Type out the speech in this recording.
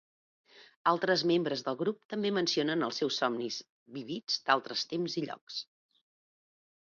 Altres membres del grup també mencionen els seus somnis vívids d'altres temps i llocs.